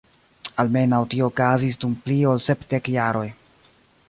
Almenaŭ tio okazis dum pli ol sep dek jaroj.